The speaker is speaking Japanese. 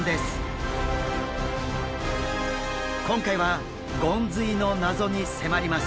今回はゴンズイの謎に迫ります。